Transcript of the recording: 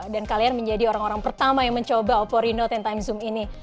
dan kalian menjadi orang orang pertama yang mencoba oppo reno sepuluh x zoom ini